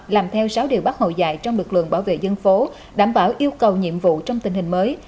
làm theo sáu điều bác hồ dạy trong lực lượng bảo vệ dân phố đảm bảo yêu cầu nhiệm vụ trong tình hình mới